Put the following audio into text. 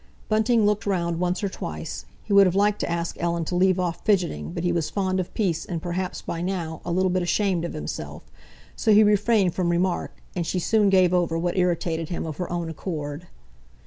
Bunting looked round once or twice; he would have liked to ask Ellen to leave off fidgeting, but he was fond of peace, and perhaps, by now, a little bit ashamed of himself, so he refrained from remark, and she soon gave over what irritated him of her own accord.